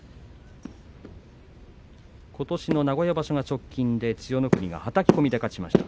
ことしの名古屋場所が直近で千代の国がはたき込みで勝ちました。